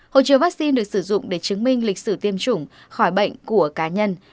hộ chiếu vaccine được sử dụng để chứng minh lịch sử tiêm chủng khỏi bệnh của cá nhân